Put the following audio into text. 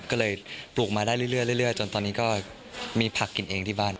ก็เลยปลูกมาได้เรื่อยจนตอนนี้ก็มีผักกินเองที่บ้าน